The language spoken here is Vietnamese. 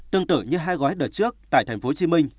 tương tự như hai gói đợt trước tại tp hcm